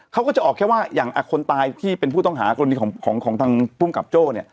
เขาก็จะออกแค่ว่าอย่างคนตายที่เป็นผู้ต้องหากรณีของทางภูมิกับโจ้